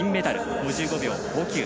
５５秒５９。